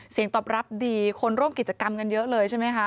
เสียงตอบรับดีคนร่วมกิจกรรมกันเยอะเลยใช่ไหมคะ